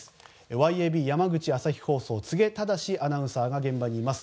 ｙａｂ山口朝日放送の柘植忠司アナウンサーが現場にいます。